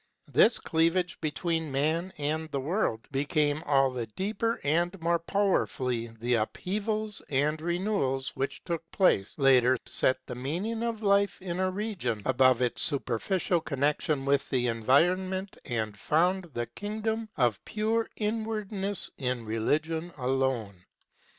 This cleavage between man and the world became all the deeper the more powerfully the upheavals and renewals which took place later set the meaning of life in a region above its super ficial connection with the environment and found the kingdom of pure inwardness in religion alone.